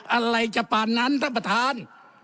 อะไรจะป่านนั้นท่านประธาน